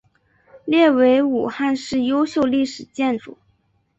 列为武汉市优秀历史建筑。